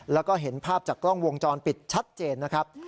แล้วก็เห็นภาพจากกล้องวงจรปิดชัดเจนนะครับ